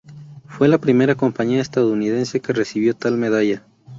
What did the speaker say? Fue la primera compañía estadounidense que recibió tal medalla.